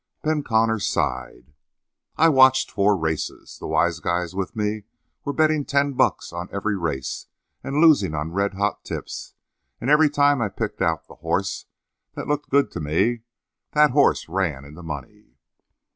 Ben Connor sighed. "I watched four races. The wise guys with me were betting ten bucks on every race and losing on red hot tips; and every time I picked out the horse that looked good to me, that horse ran in the money.